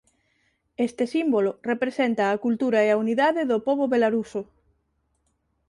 Este símbolo representa a cultura e a unidade do pobo belaruso.